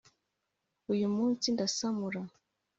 uyu munsi ndasamura